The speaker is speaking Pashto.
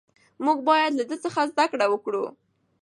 موږ باید له ده څخه زده کړه وکړو.